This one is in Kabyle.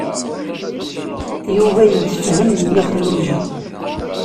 Yuba yemsefham d Nna Xelluǧa.